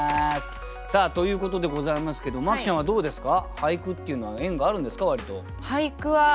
ということでございますけど麻貴ちゃんはどうですか？